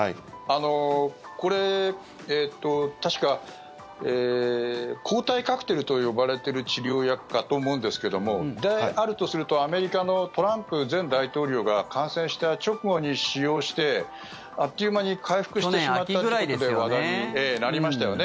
これ、確か抗体カクテルと呼ばれてる治療薬かと思うんですけどもであるとするとアメリカのトランプ前大統領が感染した直後に使用してあっという間に回復してしまったということで去年秋ぐらいですよね。